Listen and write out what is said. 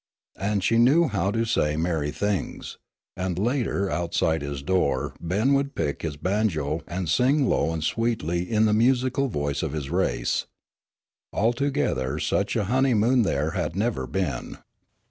And she knew how to say merry things, and later outside his door Ben would pick his banjo and sing low and sweetly in the musical voice of his race. Altogether such another honeymoon there had never been.